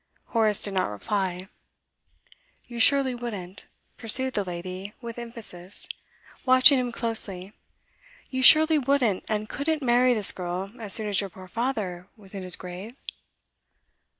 Horace did not reply. 'You surely wouldn't,' pursued the lady, with emphasis, watching him closely; 'you surely wouldn't and couldn't marry this girl as soon as your poor father was in his grave?